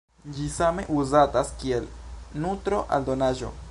Ĝi same uzatas kiel nutro-aldonaĵo.